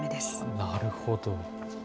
なるほど。